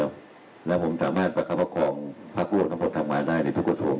และผมจำนวนประคับของพระคุณพระมัดได้ในทุกกฎศง